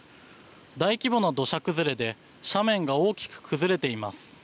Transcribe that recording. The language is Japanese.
大規模な土砂崩れで斜面が大きく崩れています。